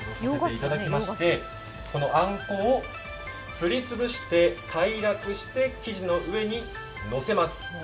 このあんこをすり潰して平らにして、生地の上にのせます。